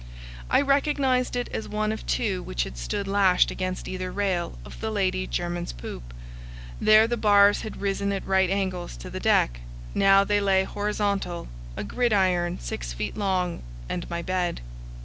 I recognized it as one of two which had stood lashed against either rail of the Lady Jermyn's poop; there the bars had risen at right angles to the deck; now they lay horizontal, a gridiron six feet long and my bed.